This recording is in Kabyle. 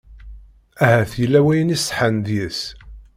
Ahat yella wayen iṣeḥḥan deg-s.